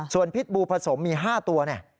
ส่วนพิษบูผสมมี๕ตัวเนี่ย